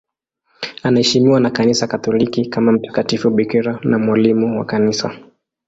Anaheshimiwa na Kanisa Katoliki kama mtakatifu bikira na mwalimu wa Kanisa.